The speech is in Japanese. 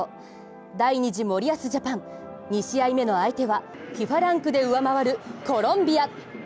第２次森保ジャパン、２試合目の相手はＦＩＦＡランクで上回るコロンビア。